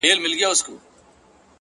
کوچني ګامونه لوی منزل ته رسېږي!